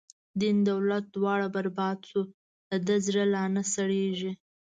دین دولت دواړه برباد شو، د ده زړه لانه سړیږی